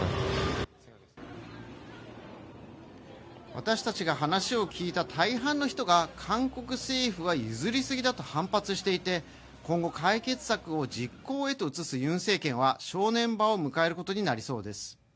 私たちが話を聞いた大半の人が韓国政府は譲り過ぎだと反発していて今後、解決策を実行へと移すユン政権は正念場を迎えることになりそうです。